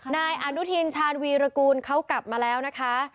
นายอนุทินชาญวีรกูลเขากลับมาแล้วนะคะ